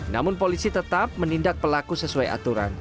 namun polisi tetap menindak pelaku sesuai aturan